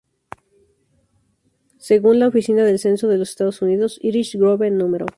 Según la Oficina del Censo de los Estados Unidos, Irish Grove No.